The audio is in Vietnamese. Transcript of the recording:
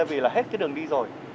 vì là hết cái đường đi rồi